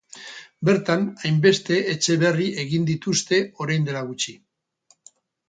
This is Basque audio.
Bertan hainbeste etxe berri egin dituzte orain dela gutxi.